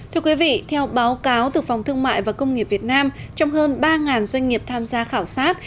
thưa quý vị theo báo cáo từ phòng thương mại và công nghiệp việt nam trong hơn ba doanh nghiệp tham gia khảo sát